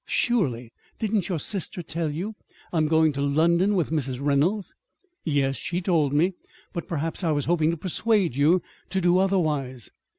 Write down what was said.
"Surely, didn't your sister tell you? I'm going to London with Mrs. Reynolds." "Yes, she told me. But perhaps I was hoping to persuade you to do otherwise."